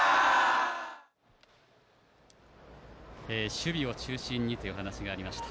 守備を中心にという話がありました。